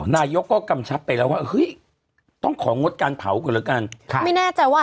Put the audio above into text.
นายกก็กำชับไปแล้วว่าเฮ้ยต้องของงดการเผาก่อนแล้วกันไม่แน่ใจว่า